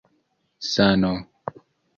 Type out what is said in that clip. sano